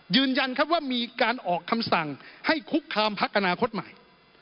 ยืนยันครับว่ามีการออกคำสั่งให้คุกคามพักอนาคตใหม่